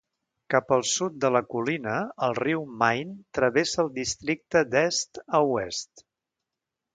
Cap al sud de la colina, el riu Main travessa el districte d'est a oest.